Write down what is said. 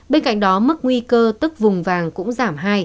bên cạnh đó mức nguy cơ tức vùng vàng cũng giảm hai